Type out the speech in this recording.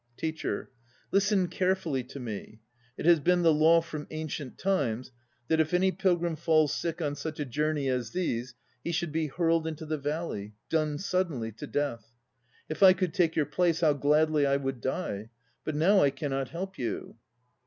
TEACHER. Listen carefully to me. It has been the law from ancient times that if any pilgrim falls sick on such journey as these he should be hurled into the valley, done suddenly to death. If I could take your place, how gladly I would die. But now I cannot help you.